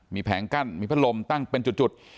มีแผงกั้นมีพัดลมตั้งเป็นจุด